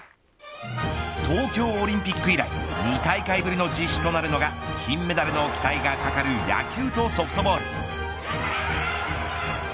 東京オリンピック以来２大会ぶりの実施となるのが金メダルの期待がかかる野球とソフトボール。